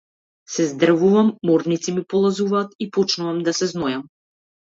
Се здрвувам, морници ми полазуваат и почнувам да се знојам.